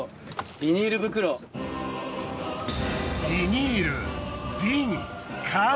ビニールビン缶。